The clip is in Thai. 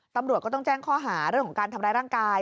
ตำรวจก็ต้องแจ้งข้อหาเรื่องของการทำร้ายร่างกาย